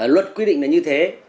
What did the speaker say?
luật quy định là như thế